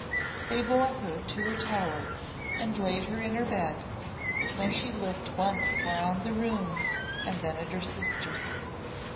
They bore her to her tower and laid her in her bed, when she looked once round the room and then at her sister.